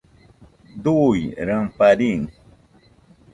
Dui ramparín